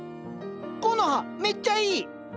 コノハめっちゃいい！